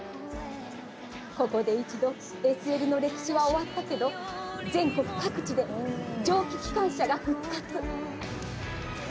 ここで一度ＳＬの歴史は終わったけど全国各地で蒸気機関車が復活。